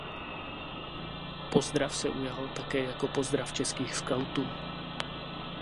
Pozdrav se ujal také jako pozdrav českých skautů.